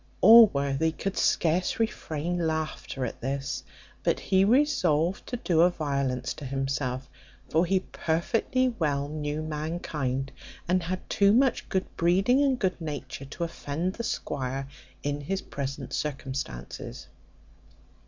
Allworthy could scarce refrain laughter at this; but he resolved to do a violence to himself; for he perfectly well knew mankind, and had too much good breeding and good nature to offend the squire in his present circumstances.